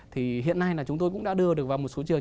thì hiện nay là chúng tôi cũng đã đưa được vào một số trường